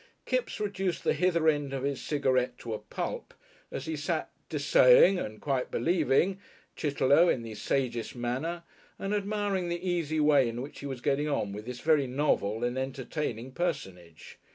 Kipps reduced the hither end of his cigarette to a pulp as he sat "dessaying" and "quite believing" Chitterlow in the sagest manner and admiring the easy way in which he was getting on with this very novel and entertaining personage.